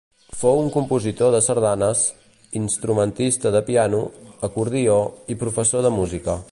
Fou un compositor de sardanes, instrumentista de piano, acordió i professor de música.